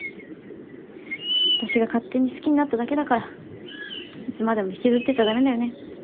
私が勝手に好きになっただけだからいつまでも引きずってちゃ駄目だよね。